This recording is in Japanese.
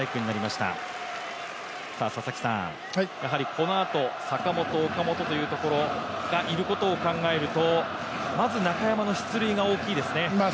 このあと、坂本、岡本というところがいることを考えるとまず中山の出塁が大きいですね。